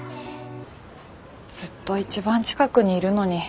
ずっと一番近くにいるのに。